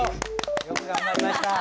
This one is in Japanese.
よく頑張りました。